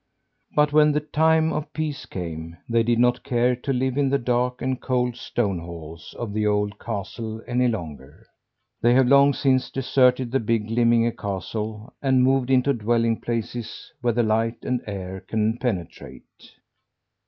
But when the time of peace came, they did not care to live in the dark and cold stone halls of the old castle any longer. They have long since deserted the big Glimminge castle, and moved into dwelling places where the light and air can penetrate.